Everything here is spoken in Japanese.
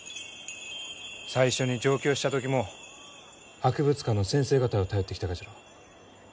最初に上京した時も博物館の先生方を頼ってきたがじゃろう？